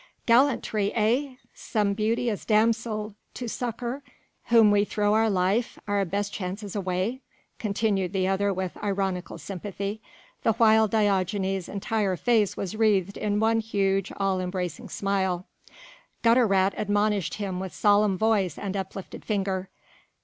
"Gallantry, eh? some beauteous damsel, to succour whom we throw our life, our best chances away?" continued the other with ironical sympathy, the while Diogenes' entire face was wreathed in one huge, all embracing smile. Gutter rat admonished him with solemn voice and uplifted finger.